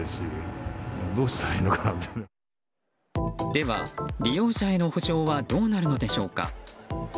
では、利用者への補償はどうなるのでしょうか。